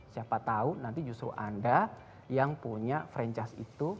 siapa tahu nanti justru anda yang punya franchise itu